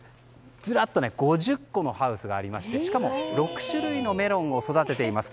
ずらっと５０個のハウスがあってしかも６種類のメロンを育てています。